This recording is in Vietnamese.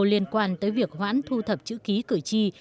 liên quan tới việc hoãn thu thập chữ ký cử tri